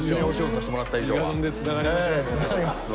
つながりますわ。